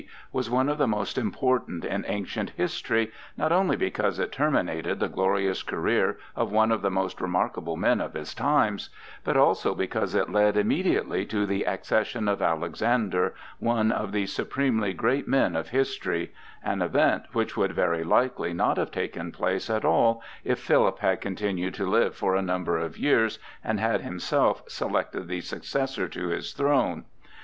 was one of the most important in ancient history, not only because it terminated the glorious career of one of the most remarkable men of his times, but also because it led immediately to the accession of Alexander, one of the supremely great men of history,—an event which would very likely not have taken place at all if Philip had continued to live for a number of years and had himself selected the successor to his throne.